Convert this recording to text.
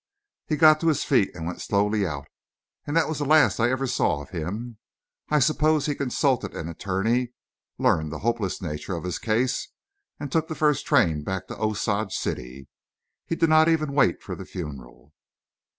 He got to his feet and went slowly out; and that was the last I ever saw of him. I suppose he consulted an attorney, learned the hopeless nature of his case, and took the first train back to Osage City. He did not even wait for the funeral.